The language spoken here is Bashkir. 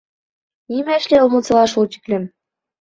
Нимә эшләй ул мунсала шул тиклем?